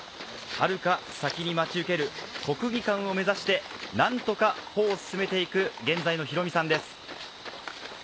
はるか先に待ち受ける国技館を目指して、なんとか歩を進めていく、現在のヒロミさんです。